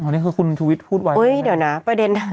อ๋อนี่คือคุณชุวิชพูดไวน์